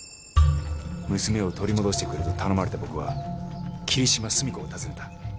娘を取り戻してくれと頼まれた僕は霧島澄子を訪ねた。